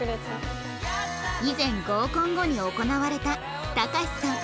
以前合コン後に行われたたかしさん